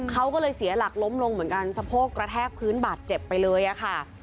เขาก็เลยเสียหลักล้มลงเหมือนกันสะโพกกระแทกพื้นบาดเจ็บไปเลยอะค่ะ